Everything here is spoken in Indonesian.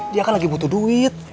dia kan lagi butuh duit